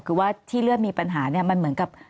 คือว่าที่เลือดมีปัญหาเนี่ยมันเหมือนกับ